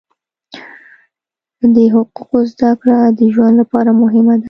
د حقوقو زده کړه د ژوند لپاره مهمه ده.